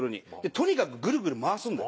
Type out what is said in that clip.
とにかくグルグル回すんだよ